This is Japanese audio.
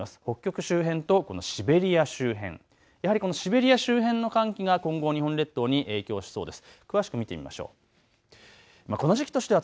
北極周辺とシベリア周辺やはりこのシベリア周辺の寒気が今後、日本列島に影響しそうです。